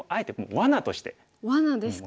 わなですか。